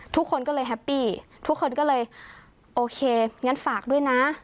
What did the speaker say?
ทุกคนก็เลยแฮปปี้ทุกคนก็เลยโอเคงั้นฝากด้วยนะ